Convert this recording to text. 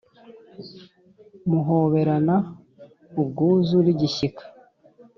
muhoberana ubwuzu n’igishyika